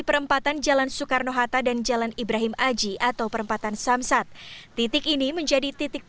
perempatan jalan soekarno hatta dan jalan ibrahim aji atau perempatan samsat titik ini menjadi titik